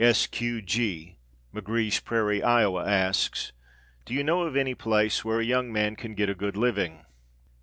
"S. Q. G.," McGree's Prairie, Iowa, asks: "Do you know of any place where a young man can get a good living?"